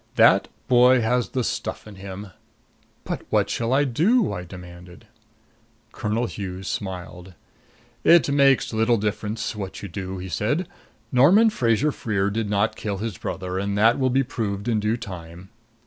That boy has the stuff in him." "But what shall I do?" I demanded. Colonel Hughes smiled. "It makes little difference what you do," he said. "Norman Fraser Freer did not kill his brother, and that will be proved in due time."